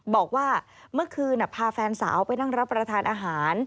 บอกว่าเมื่อคืนพาแฟนสาวไปนั่งรับประทานอาหาร